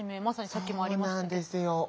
まさにさっきもありましたけど。